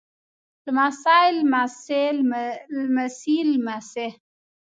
لمسی لمسي لمسې